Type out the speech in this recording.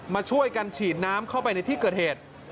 มาช่วยกันฉีดน้ำเข้าไปในที่เกิดเหตุ